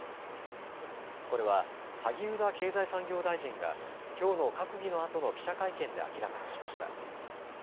これは萩生田経済産業大臣がきょうの閣議のあとの記者会見で明らかにしました。